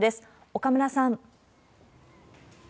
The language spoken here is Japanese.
岡村さん。